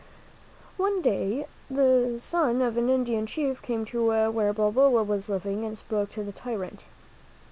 One day the son of an Indian chief came to where Balboa was living and spoke to the tyrant.